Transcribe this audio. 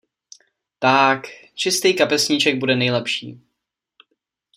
Ták, čistej kapesníček bude nejlepší.